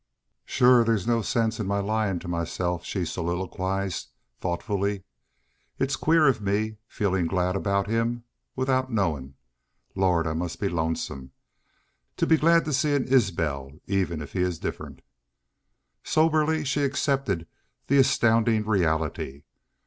"Shore there's no sense in my lyin' to myself," she soliloquized, thoughtfully. "It's queer of me feelin' glad aboot him without knowin'. Lord! I must be lonesome! To be glad of seein' an Isbel, even if he is different!" Soberly she accepted the astounding reality.